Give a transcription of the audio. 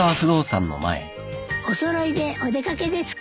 お揃いでお出掛けですか？